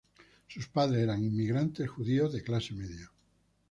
Sus padres eran inmigrantes judíos de clase media.